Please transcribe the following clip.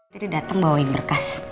jadi dateng bawain berkas